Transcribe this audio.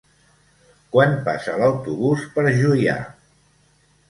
Quan passa l'autobús per Juià?